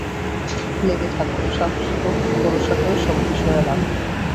লেগে থাক, সাহসী হও, ভরসা করে সব বিষয়ে লাগ।